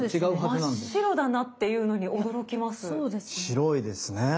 白いですね。